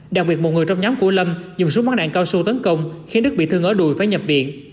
đặc biệt một người trong nhóm của lâm dùng súng bắn đạn cao su tấn công khiến đức bị thương ở đùi phải nhập viện